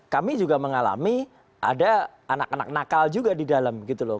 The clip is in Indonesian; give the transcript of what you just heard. kami juga mengalami ada anak anak nakal juga di dalam gitu loh